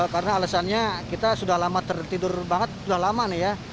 karena alasannya kita sudah lama tertidur banget sudah lama nih ya